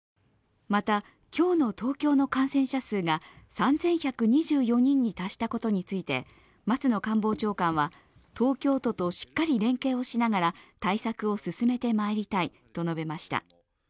また、今日の東京の感染者数が３１２４人に達したことについて松野官房長官は、東京都としっかり連携をしながら対策を進めてまいりたいと述べました。